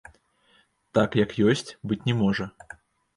Так, як ёсць, быць не можа.